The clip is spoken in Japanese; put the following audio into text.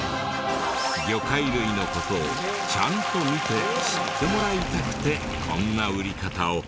魚介類の事をちゃんと見て知ってもらいたくてこんな売り方を。